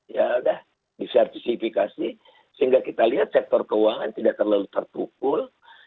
ya sudah disertifikasi sehingga kita lihat sektor keuangan tidak terlalu terpukul